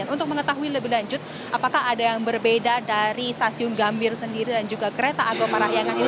dan untuk mengetahui lebih lanjut apakah ada yang berbeda dari stasiun gambit sendiri dan juga kereta argoparah yangan ini